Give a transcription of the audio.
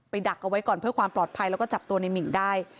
ดักเอาไว้ก่อนเพื่อความปลอดภัยแล้วก็จับตัวในหมิ่งได้